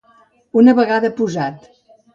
Una vegada posat.